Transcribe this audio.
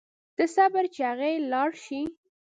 ته صبر چې اغئ لاړ شي.